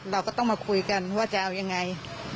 เราก็ต้องมาคุยกันว่าจะเอายังไง